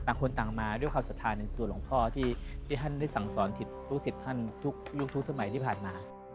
คนต่างมาด้วยความศรัทธาในตัวหลวงพ่อที่ท่านได้สั่งสอนผิดลูกศิษย์ท่านทุกยุคทุกสมัยที่ผ่านมา